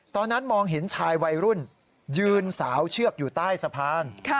ตอนนั้นมองเห็นชายวัยรุ่นยืนสาวเชือกอยู่ใต้สะพาน